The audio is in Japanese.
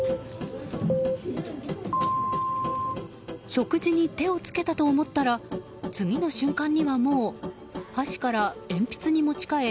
食事に手を付けたと思ったら次の瞬間にはもう箸から鉛筆に持ち替え